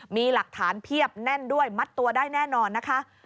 มีหลักฐานเพียบแน่นด้วยมัดตัวได้แน่นอนนะคะ